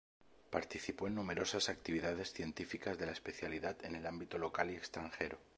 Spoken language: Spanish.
Participó en numerosas actividades científicas de la especialidad en el ámbito local y extranjero.